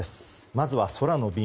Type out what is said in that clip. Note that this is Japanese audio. まずは空の便。